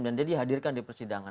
dan dia dihadirkan di persidangan